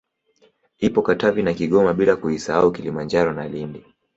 Ipo Katavi na Kigoma bila kuisahau Kilimanjaro na Lindi